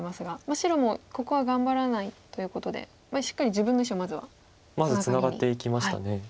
白もここは頑張らないということでしっかり自分の石をまずはツナガリに。